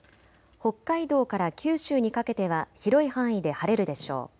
北海道から九州にかけては広い範囲で晴れるでしょう。